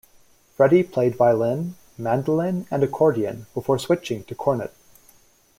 Freddie played violin, mandolin, and accordion before switching to cornet.